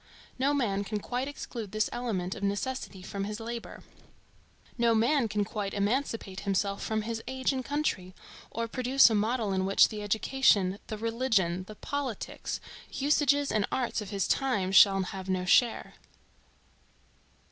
No man can quite exclude this element of Necessity from his labor. No man can quite emancipate himself from his age and country, or produce a model in which the education, the religion, the politics, usages and arts of his times shall have no share.